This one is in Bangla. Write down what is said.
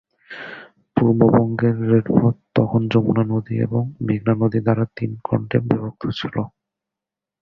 পূর্ববঙ্গের রেলপথ তখন যমুনা নদী এবং মেঘনা নদী দ্বারা তিন খণ্ডে বিভক্ত ছিল।